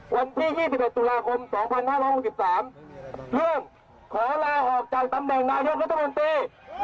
วันที่๒๑ตุลาคม๒๕๖๓เริ่มขอลาออกจากตำแหน่งนายกรัฐมนตรี